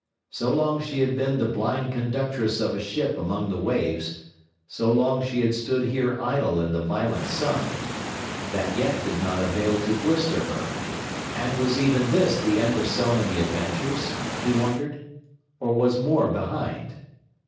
So long she had been the blind conductress of a ship among the waves; so long she had stood here idle in the violent sun, that yet did not avail to blister her; and was even this the end of so many adventures? he wondered, or was more behind?